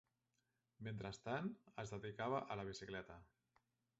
Mentrestant, es dedicava a la bicicleta.